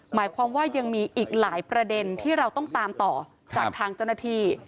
หมายความว่ายังมีอีกหลายประเด็นที่เราต้องตามต่อจากทางเจ้าหน้าที่